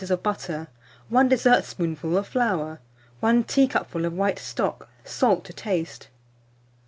of butter, 1 dessertspoonful of flour, 1 teacupful of white stock; salt to taste.